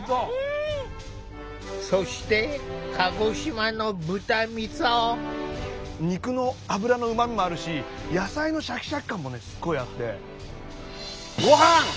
そして肉の脂のうまみもあるし野菜のシャキシャキ感もすごいあって。